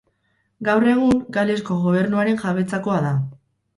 Gaur egun Galesko Gobernuaren jabetzakoa da.